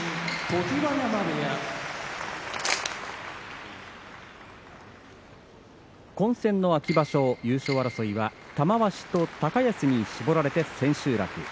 常盤山部屋混戦の秋場所優勝争いは、玉鷲と高安戦に絞られて千秋楽。